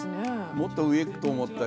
もっと上いくと思ったよ。